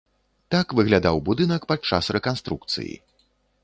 Так выглядаў будынак падчас рэканструкцыі.